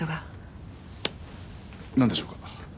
なんでしょうか？